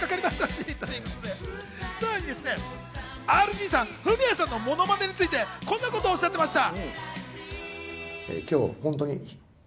さらにＲＧさん、フミヤさんのモノマネについて、こんなことをおっしゃっていました。